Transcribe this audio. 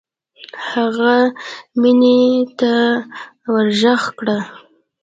هغه مينې ته ورږغ کړه.